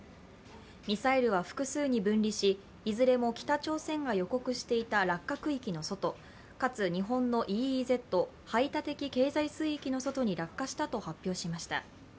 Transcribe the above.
ミサイルは複数に分離しいずれも北朝鮮が予告していた落下区域の外、かつ日本のＥＥＺ＝排他的経済水域の外に落下したと発表しました。